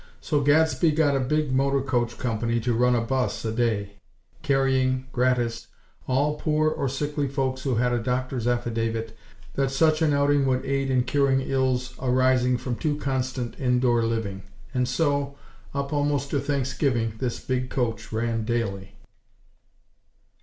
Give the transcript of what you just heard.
So Gadsby got a big motor coach company to run a bus a day, carrying, gratis, all poor or sickly folks who had a doctor's affidavit that such an outing would aid in curing ills arising from too constant in door living; and so, up almost to Thanksgiving, this big coach ran daily.